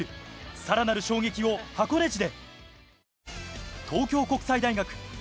さらなる衝撃を箱根路で。